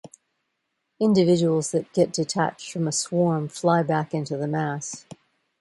Individuals that get detached from a swarm fly back into the mass.